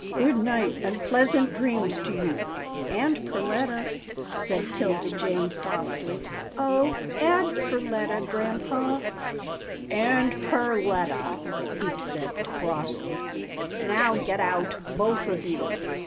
Good night, and pleasant dreams to you." ."And Perletta," said 'Tilda Jane, softly, "oh! add Perletta, grampa." " And Perletta," he said, crossly, " now get out, both of you."